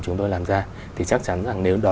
chúng tôi làm ra thì chắc chắn rằng nếu đó